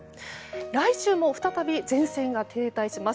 来週も再び前線が停滞します。